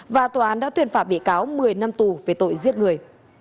và tòa án đã tuyên phạt bị cáo một mươi năm tù về tội giết người